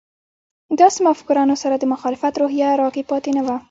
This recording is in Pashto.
داسې مفکرانو سره د مخالفت روحیه راکې پاتې نه وه.